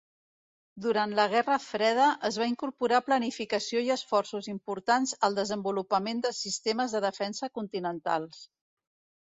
Durant la Guerra Freda, es va incorporar planificació i esforços importants al desenvolupament de sistemes de defensa continentals.